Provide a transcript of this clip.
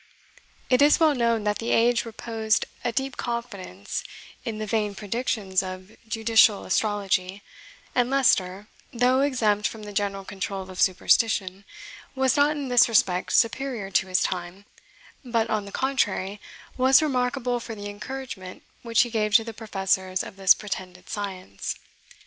It is well known that the age reposed a deep confidence in the vain predictions of judicial astrology, and Leicester, though exempt from the general control of superstition, was not in this respect superior to his time, but, on the contrary, was remarkable for the encouragement which he gave to the professors of this pretended science.